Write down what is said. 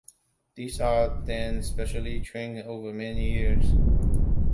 These are then specially trained over many years.